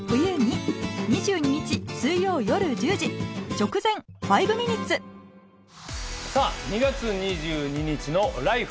直前「５ミニッツ」さあ２月２２日の「ＬＩＦＥ！